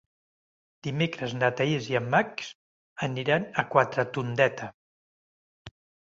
Dimecres na Thaís i en Max aniran a Quatretondeta.